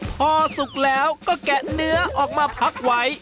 พอสุกแล้วก็แกะเนื้อออกมาพักไว้